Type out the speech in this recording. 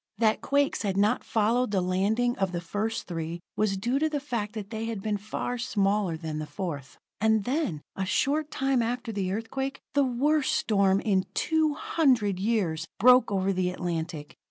That quakes had not followed the landing of the first three was due to the fact that they had been far smaller than the fourth. And then, a short time after the earthquake, the worst storm in two hundred years broke over the Atlantic.